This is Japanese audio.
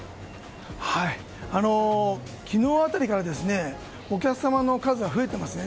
昨日辺りからお客様の数は増えていますね。